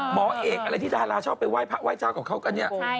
หมอเอกอะไรที่ดาราชอบไปไหว้พระไห้เจ้ากับเขากันเนี่ย